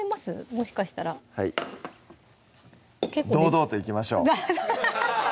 もしかしたら堂々といきましょう